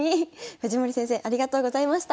藤森先生ありがとうございました。